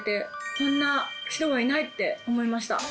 こんな人はいないって思いました。